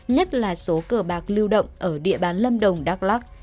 nhất là số cờ bạc lưu động ở địa bàn lâm đồng đắk lắc